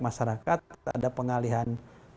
masyarakat ada pengalihan